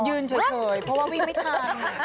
ยืนเฉยเพราะว่าวิ่งไม่ทัน